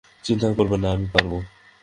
চিন্তা করবেন না, আমি পারবো।